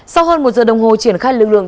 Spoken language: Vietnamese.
sau hơn một giờ đồng hồ triển khai lực lượng